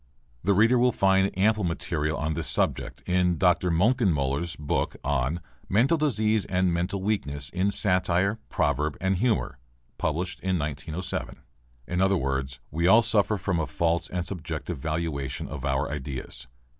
(The reader will find ample material on this subject in Dr. Moenkenmöller's book on 'mental disease and mental weakness in satire, proverb, and humour,' published in 1907.) In other words: We all suffer from a false and subjective valuation of our ideas.